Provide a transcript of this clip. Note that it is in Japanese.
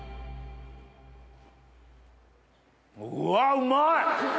うわっうまい！